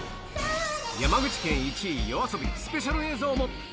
山口県１位、ＹＯＡＳＯＢＩ、スペシャル映像も。